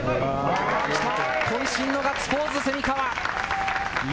こん身のガッツポーズ、蝉川。